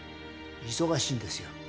忙しいんですよ。